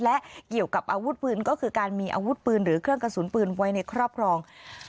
และเกี่ยวกับอาวุธปืนก็คือการมีอาวุธปืนหรือเครื่องกระสุนปืนไว้ในครอบครอง